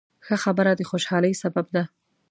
ښه خبره د خوشحالۍ سبب ده.